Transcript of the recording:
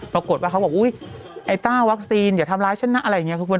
เขาบอกอุ๊ยไอ้ต้าวัคซีนอย่าทำร้ายฉันนะอะไรอย่างนี้